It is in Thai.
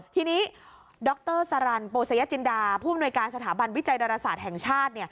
ทีนี้ดรสรรโปสยจินดาผู้อำนวยการสถาบันวิจัยดาราศาสตร์แห่งชาติ